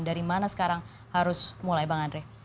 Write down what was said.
dari mana sekarang harus mulai bang andre